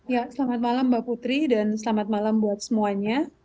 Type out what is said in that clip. ya selamat malam mbak putri dan selamat malam buat semuanya